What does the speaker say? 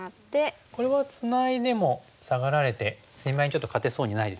これはツナいでもサガられて攻め合いにちょっと勝てそうにないですよね。